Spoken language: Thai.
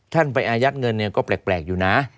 ท่านไปอายัดเงินเนี่ยก็แปลกอยู่นะ